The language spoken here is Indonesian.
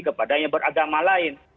kepada yang beragama lain